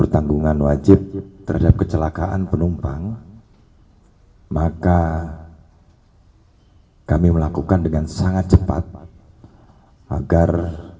terima kasih terhadap kecelakaan penumpang maka kami melakukan dengan sangat cepat agar